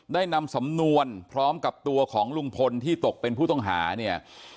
ได้นำสำนวนพร้อมกับตัวของลุงพลที่ตกเป็นผู้ต้องหาเนี่ย